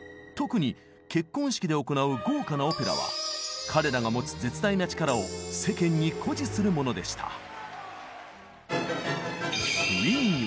特に結婚式で行う豪華なオペラは彼らが持つ絶大な力を世間に誇示するものでした。